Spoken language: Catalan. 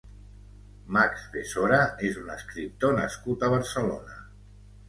Max Besora és un escriptor nascut a Barcelona.